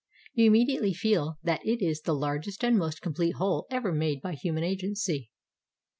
You immediately feel that it is the largest and most com plete hole ever made by human agency.